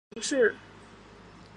母庞氏。